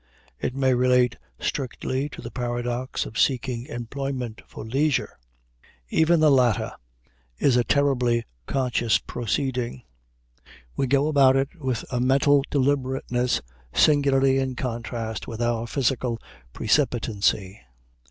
It may relate strictly to the paradox of seeking employment for leisure. Even the latter is a terribly conscious proceeding. We go about it with a mental deliberateness singularly in contrast with our physical precipitancy.